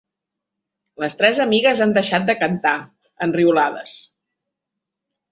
Les tres amigues han deixat de cantar, enriolades.